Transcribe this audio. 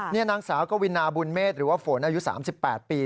นี่นางสาวกวินาบุญเมษหรือว่าฝนอายุ๓๘ปี